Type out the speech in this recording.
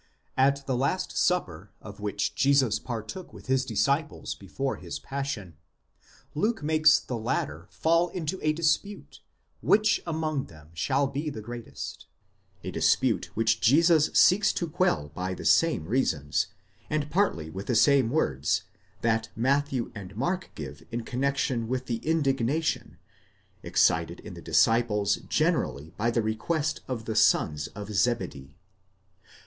At the last supper of which Jesus partook with his disciples before his passion, Luke makes the latter fall into a φιλονεικία (dispute) which among them shall be the greatest ; a dispute which Jesus seeks to quell by the same reasons, and partly with the same words, that Matthew and Mark give in connexion with the ἀγανάκτησις, (indignation), excited in the disciples generally by the request of the sons of Zebedee.